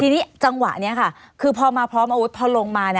ทีนี้จังหวะนี้ค่ะคือพอมาพร้อมอาวุธพอลงมา